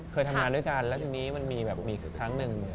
เคยทำงานด้วยกันและทีนี้มีครั้งนึง